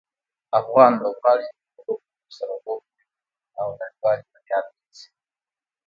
افغان لوبغاړي د خپلو هوډونو سره لوبه کوي او نړیوالې بریا ته رسي.